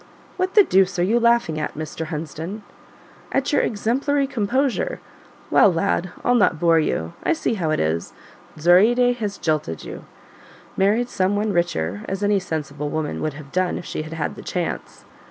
"What the deuce are you laughing at, Mr. Hunsden?" "At your exemplary composure. Well, lad, I'll not bore you; I see how it is: Zoraide has jilted you married some one richer, as any sensible woman would have done if she had had the chance."